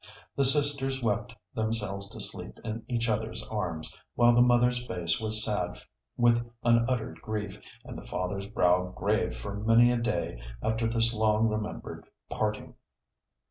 The sisters wept themselves to sleep in each other's arms, while the mother's face was sad with unuttered grief, and the father's brow grave for many a day after this long remembered parting.